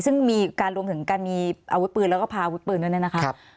ซึ่งมีการรวมถึงการมีอาวุธปืนแล้วก็พาอาวุธปืนด้วยนะครับ